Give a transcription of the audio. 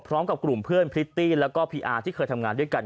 พร้อมกับกลุ่มเพื่อนพริตตี้แล้วก็พีอาร์ที่เคยทำงานด้วยกัน